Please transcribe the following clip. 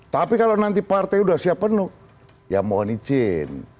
tapi kalau nanti partai sudah siap penuh ya mohon izin